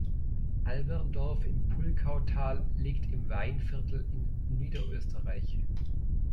Alberndorf im Pulkautal liegt im Weinviertel in Niederösterreich.